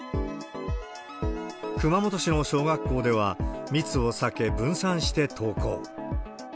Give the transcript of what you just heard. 熊本市の小学校では、密を避け分散して登校。